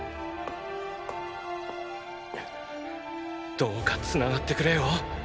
どうか繋がってくれよ。